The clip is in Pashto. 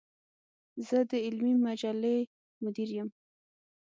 زۀ د علمي مجلې مدير يم.